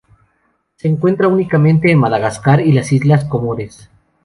Se encuentra únicamente en Madagascar y las islas Comores.